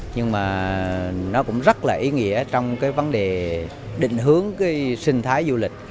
nhưng mà nó cũng rất là ý nghĩa trong cái vấn đề định hướng cái sinh thái du lịch